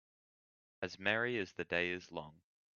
As merry as the day is long